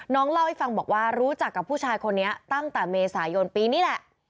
เล่าให้ฟังบอกว่ารู้จักกับผู้ชายคนนี้ตั้งแต่เมษายนปีนี้แหละ